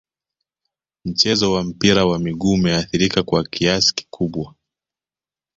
mchezo wa mpira wa miguu umeathirika kwa kiasi kikubwa